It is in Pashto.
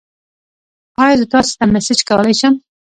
ایا زه تاسو ته میسج کولی شم؟